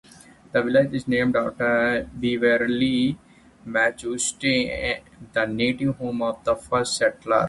The village is named after Beverly, Massachusetts, the native home of a first settler.